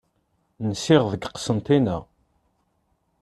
Nsiɣ deg Qsenṭina.